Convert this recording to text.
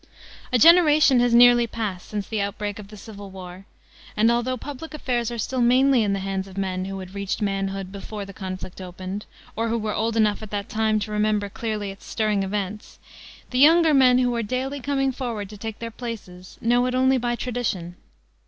A generation has nearly passed since the outbreak of the civil war, and although public affairs are still mainly in the hands of men who had reached manhood before the conflict opened, or who were old enough at that time to remember clearly its stirring events, the younger men who are daily coming forward to take their places know it only by tradition.